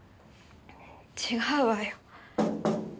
違うわよ。